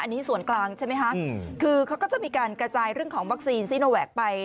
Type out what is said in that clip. อันนี้ส่วนกลางใช่ไหมคะคือเขาก็จะมีการกระจายเรื่องของวัคซีนซีโนแวคไป